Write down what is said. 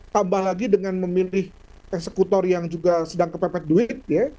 tambah lagi dengan memilih eksekutor yang juga sedang kepepet duit ya